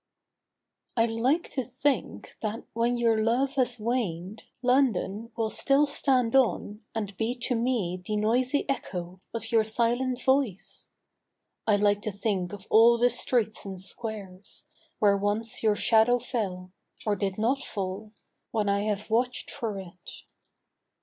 I LIKE to think that when your love has waned London will still stand on, and be to me The noisy echo of your silent voice ! I like to think of all the streets and squares AVhere once your shadow fell, or did not fall, When I have watch'd for it